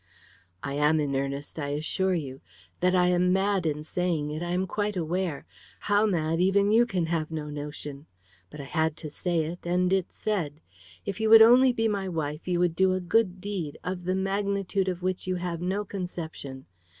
"I am in earnest, I assure you. That I am mad in saying it, I am quite aware; how mad, even you can have no notion. But I had to say it, and it's said. If you would only be my wife, you would do a good deed, of the magnitude of which you have no conception.